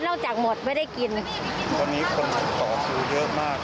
นอกจากหมดไม่ได้กินตอนนี้คนต่อสื้อเยอะมาก